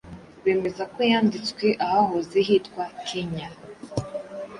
bemeza ko yanditswe ahahoze hitwa kenya